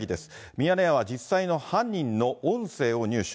ミヤネ屋は実際の犯人の音声を入手。